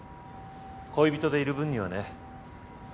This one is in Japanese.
恋人でいる分にはね。